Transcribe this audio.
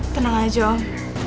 tenang aja om